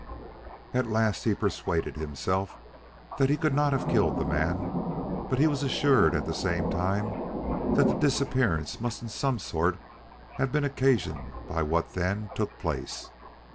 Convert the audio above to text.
At last he persuaded himself that he could not have killed the man, but he was assured at the same time that the disappearance must in some sort have been occasioned by what then took place.